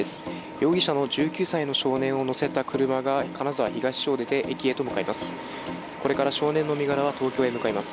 容疑者の１９歳の少年を乗せた車が、金沢東署を出て、駅へと向かいます。